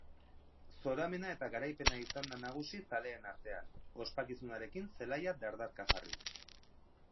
Zoramena eta garaipena izan da nagusi zaleen artean, ospakizunarekin zelaia dardarka jarriz.